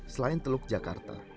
selain teluk jakarta